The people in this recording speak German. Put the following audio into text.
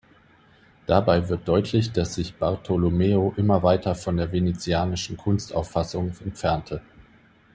Dabei wird deutlich, dass sich Bartolomeo immer weiter von der venezianischen Kunstauffassung entfernte.